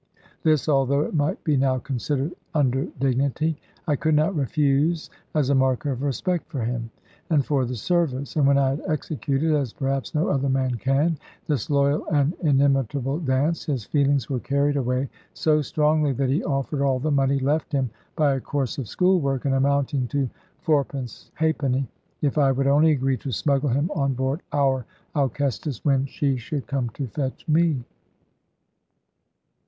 This, although it might be now considered under dignity, I could not refuse as a mark of respect for him, and for the service; and when I had executed, as perhaps no other man can, this loyal and inimitable dance, his feelings were carried away so strongly that he offered all the money left him by a course of schoolwork (and amounting to fourpence halfpenny) if I would only agree to smuggle him on board our Alcestis, when she should come to fetch me.